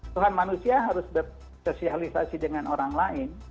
tuhan manusia harus bersosialisasi dengan orang lain